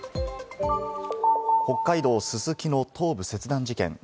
北海道・すすきの頭部切断事件。